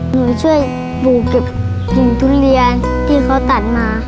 หนูช่วยปู่เก็บหินทุเรียนที่เขาตัดมา